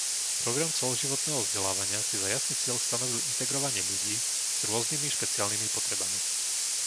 Program celoživotného vzdelávania si za jasný cieľ stanovil integrovanie ľudí s rôznymi špeciálnym potrebami.